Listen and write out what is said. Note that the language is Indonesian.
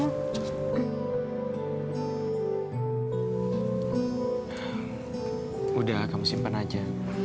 udah kamu simpen aja